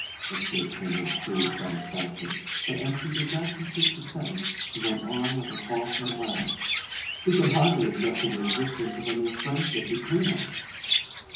escaped him, in crude satisfaction; but as she did not complete the sentence he went on with a faltering laugh: "She can hardly object to the existence of a mere friendship between us!"